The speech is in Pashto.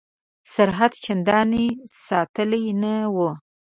سرحد چنداني ساتلی نه وو.